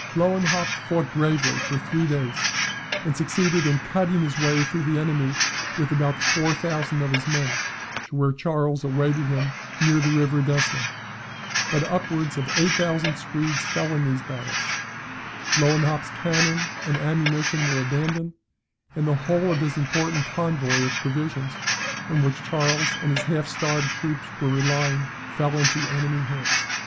Lewenhaupt fought bravely for three days, and succeeded in cutting his way through the enemy, with about four thousand of his men, to where Charles awaited him near the river Desna; but upwards of eight thousand Swedes fell in these battles; Lewenhaupt's cannon and ammunition were abandoned; and the whole of his important convoy of provisions, on which Charles and his half starved troops were relying, fell into the enemy's hands.